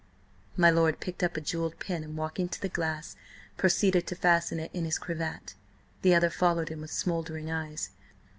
My lord picked up a jewelled pin and, walking to the glass, proceeded to fasten it in his cravat. The other followed him with smouldering eyes.